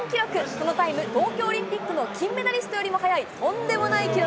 このタイム、東京オリンピックの金メダリストよりも速い、とんでもない記録。